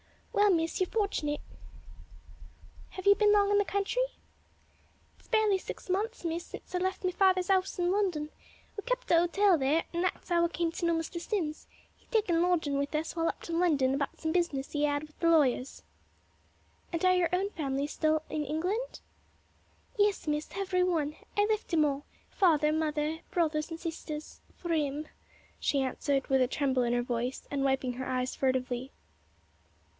"Well, Miss, you're fortunate." "Have you been long in the country?" "It's barely six months, Miss, since I left me father's 'ouse in London. We kept an 'otel there; an' that's 'ow I came to know Mr. Sims; he takin' lodgin' with us while up to London about some business 'e 'ad with the lawyers." "And are your own family all still in England?" "Yes, Miss; hevery one; I left 'em all father, mother, brothers and sisters for 'im," she answered with a tremble in her voice and wiping her eyes furtively.